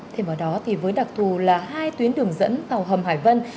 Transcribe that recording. thêm vào đó với đặc thù là hai tuyến đường dẫn vào hầm hải vân